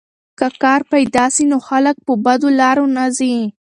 که کار پیدا سي نو خلک په بدو لارو نه ځي.